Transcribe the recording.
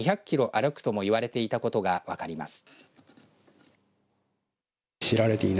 歩くともいわれていたことが分かります。